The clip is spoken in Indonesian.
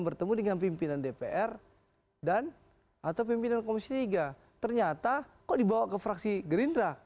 bertemu dengan pimpinan dpr dan atau pimpinan komisi tiga ternyata kok dibawa ke fraksi gerindra